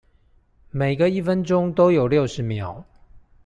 每個一分鐘都有六十秒